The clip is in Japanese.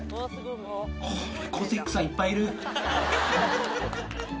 これ、ゴセックさん、いっぱいいる。